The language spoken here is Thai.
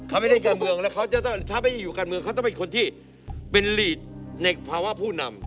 เขาไม่ได้การเมืองแล้วเขาจะต้องถ้าไม่ได้อยู่การเมืองเขาต้องเป็นคนที่เป็นลีดในภาวะผู้นำ